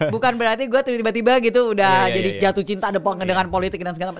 bukan berarti gue tiba tiba gitu udah jadi jatuh cinta dengan politik dan segala macam